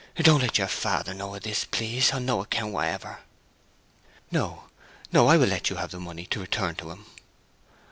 '...Don't let your father know of this, please, on no account whatever!" "No, no. I will let you have the money to return to him."